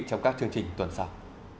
trong các chương trình tuần sau